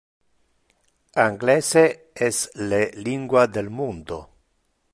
Anglese es le lingua del mundo.